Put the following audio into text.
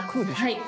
はい。